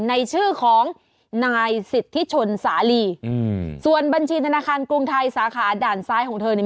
ในชื่อของนายสิทธิชนสาลีอืมส่วนบัญชีธนาคารกรุงไทยสาขาด่านซ้ายของเธอเนี่ย